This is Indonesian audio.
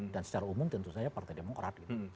dan secara umum tentu saja partai demokrat